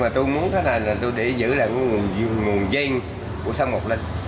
tôi muốn trồng lại nguồn gen của sâm ngọc linh